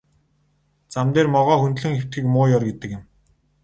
Зам дээр могой хөндлөн хэвтэхийг муу ёр гэдэг юм.